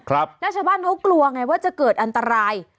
แล้วชาวบ้านเขากลัวไงว่าจะเกิดอันตราย